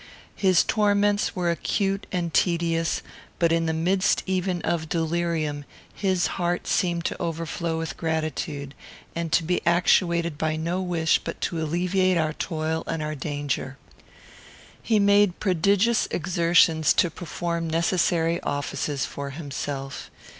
His torments were acute and tedious; but, in the midst even of delirium, his heart seemed to overflow with gratitude, and to be actuated by no wish but to alleviate our toil and our danger. He made prodigious exertions to perform necessary offices for himself.